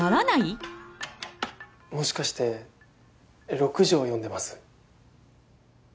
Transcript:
もしかして６条読んでます？